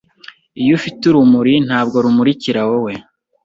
Iyo ufite urumuri ntabwo rumurikira wowe